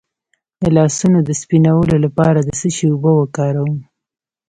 د لاسونو د سپینولو لپاره د څه شي اوبه وکاروم؟